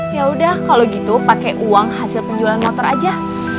yaudah kalo gitu pake uang hasil penjualan motor aja